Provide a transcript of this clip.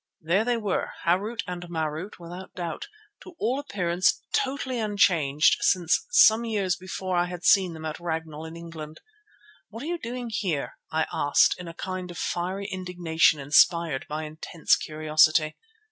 There they were, Harût and Marût without doubt, to all appearance totally unchanged since some years before I had seen them at Ragnall in England. "What are you doing here?" I asked in a kind of fiery indignation inspired by my intense curiosity.